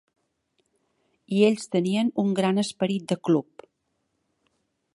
I ells tenien un gran esperit de club.